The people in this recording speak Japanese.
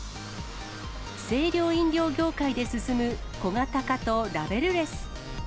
清涼飲料業界で進む小型化とラベルレス。